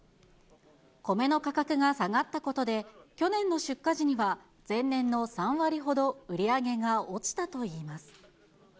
米の価格が下がったことで、去年の出荷時には前年の３割ほど売り上げが落ちたといいます。